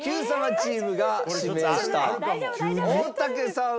チームが指名した大竹さんは。